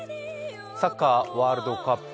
サッカー、ワールドカップ